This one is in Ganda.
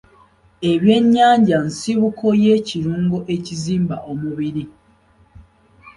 Ebyennyanja nsibuko y'ekirungo ekizimba omubiri.